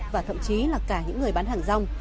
và thậm chí là cả những người bán hàng rong